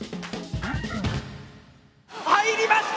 入りました！